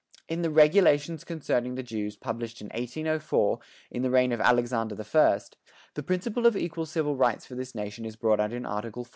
In the "Regulations Concerning the Jews" published in 1804, in the reign of Alexander the First, the principle of equal civil rights for this nation is brought out in Article 42.